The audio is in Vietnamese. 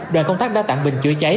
đoàn công tác đã tặng bình chữa cháy